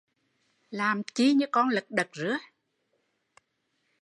Làm chi như con lật đật